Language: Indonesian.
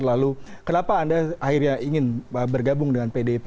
lalu kenapa anda akhirnya ingin bergabung dengan pdip